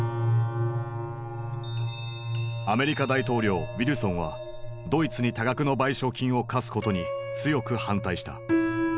アメリカ大統領ウィルソンはドイツに多額の賠償金を科すことに強く反対した。